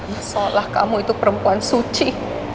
masalah kamu itu perempuan suci